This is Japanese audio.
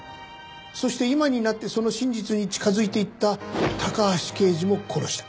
そして今になってその真実に近づいていった高橋刑事も殺した。